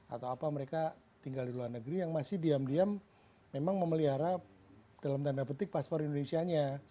atau apa mereka tinggal di luar negeri yang masih diam diam memang memelihara dalam tanda petik paspor indonesia nya